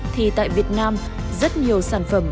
thì tại việt nam rất nhiều sản phẩm